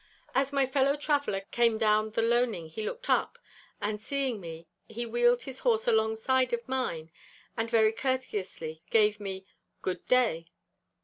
As my fellow traveller came down the loaning he looked up, and seeing me, he wheeled his horse alongside of mine, and very courteously gave me 'Good day.